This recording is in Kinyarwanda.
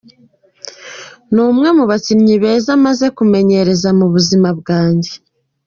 "N'umwe mu bakinyi beza maze kumenyereza mu buzima bwanje.